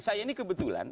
saya ini kebetulan